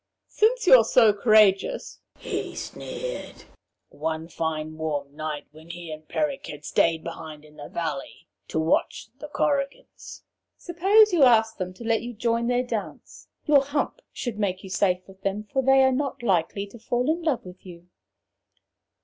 'Since you're so courageous,' he sneered, one fine warm night when he and Peric had stayed behind in the valley to watch the Korrigans, 'suppose you ask them to let you join their dance. Your hump should make you safe with them, for they are not likely to fall in love with you.'